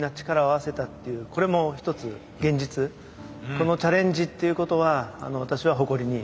このチャレンジっていうことは私は誇りに思っています。